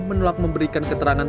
menolak memberikan keterangan